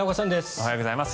おはようございます。